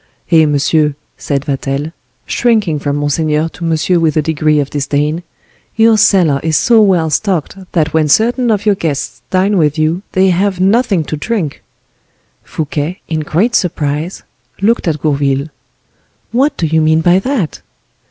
"Eh, monsieur," said Vatel, shrinking from monseigneur to monsieur with a degree of disdain: "your cellar is so well stocked that when certain of your guests dine with you they have nothing to drink." Fouquet, in great surprise, looked at Gourville. "What do you mean by that?"